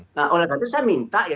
nah oleh karena itu saya minta ya